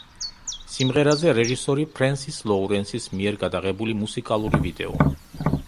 სიმღერაზე რეჟისორი ფრენსის ლოურენსის მიერ გადაღებული მუსიკალური ვიდეო.